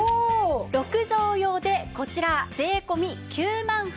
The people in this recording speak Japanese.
６畳用でこちら税込９万８８００円。